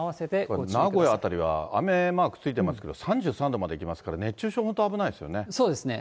これ、名古屋辺りは雨マークついてますけど、３３度までいきますから、熱中症も本当、危ないですよね。